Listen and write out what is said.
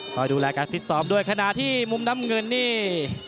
คอยดูแลการฟิตซ้อมด้วยขณะที่มุมน้ำเงินนี่